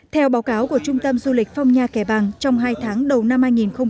theo báo cáo của trung tâm du lịch phong nha kẻ bàng trong hai tháng đầu năm hai nghìn hai mươi